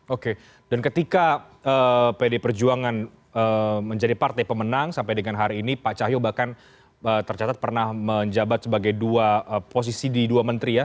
oke dan ketika pdi perjuangan menjadi partai pemenang sampai dengan hari ini pak cahyo bahkan tercatat pernah menjabat sebagai dua posisi di dua menteri ya